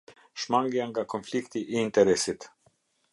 Shmangia nga konflikti i interesit.